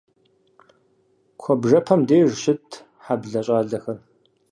Куэбжэпэм деж щытт хьэблэ щӏалэхэр.